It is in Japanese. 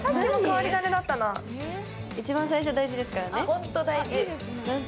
一番最初が大事ですからね。